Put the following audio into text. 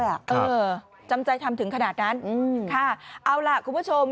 เออจำใจทำถึงขนาดนั้นค่ะเอาล่ะคุณผู้ชม